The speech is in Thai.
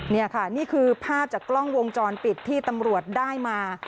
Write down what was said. นี่ค่ะนี่คือภาพจากกล้องวงจรปิดที่ตำรวจได้มา